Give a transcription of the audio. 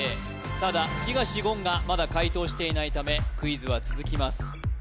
ただ東言がまだ解答していないためクイズは続きます